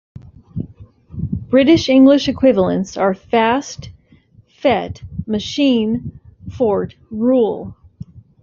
British English equivalents are "fast, fete, machine, fort, rule".